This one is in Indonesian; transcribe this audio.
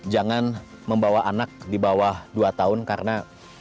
jangan membawa anak di bawah dua tahun karena